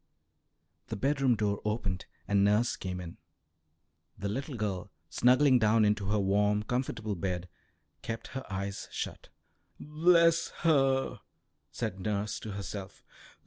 The bedroom door opened, and nurse came in. The little girl, snuggling down into her warm, comfortable bed, kept her eyes shut. "Bless her!" said nurse to herself.